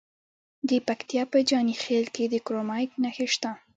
د پکتیا په جاني خیل کې د کرومایټ نښې شته.